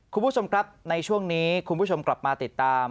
คุณผู้ชมครับในช่วงนี้คุณผู้ชมกลับมาติดตาม